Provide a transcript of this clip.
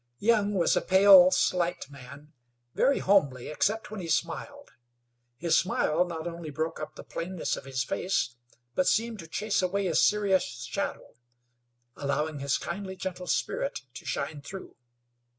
Young was a pale, slight man, very homely except when he smiled. His smile not only broke up the plainness of his face, but seemed to chase away a serious shadow, allowing his kindly, gentle spirit to shine through.